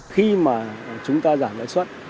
khi mà chúng ta giảm lãi suất